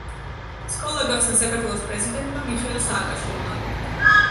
სკოლა გახსნა საქართველოს პრეზიდენტმა მიხეილ სააკაშვილმა.